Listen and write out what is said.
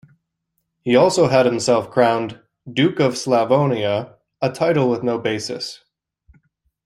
He also had himself crowned Duke of Slavonia, a title with no basis.